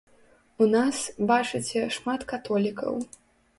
У нас, бачыце, шмат католікаў.